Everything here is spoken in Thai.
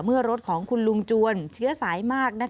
เมื่อรถของคุณลุงจวนเชื้อสายมาก